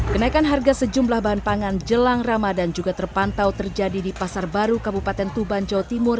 kenaikan harga sejumlah bahan pangan jelang ramadan juga terpantau terjadi di pasar baru kabupaten tuban jawa timur